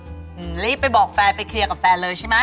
รีบไปบอกแฟนไปเคลียร์กับแฟนเลยใช่ไหม